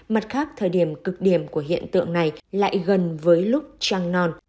mặt khác thời điểm cực điểm của hiện tượng này lại gần với lúc trăng non